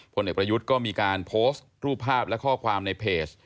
เอกประยุทธ์ก็มีการโพสต์รูปภาพและข้อความในเพจ